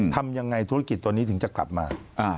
ทำยังไงธุรกิจตัวนี้ถึงจะกลับมา